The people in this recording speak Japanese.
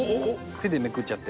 手でめくっちゃって。